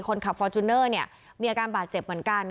คนขับฟอร์จูเนอร์เนี่ยมีอาการบาดเจ็บเหมือนกัน